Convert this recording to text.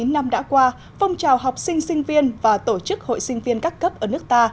chín năm đã qua phong trào học sinh sinh viên và tổ chức hội sinh viên các cấp ở nước ta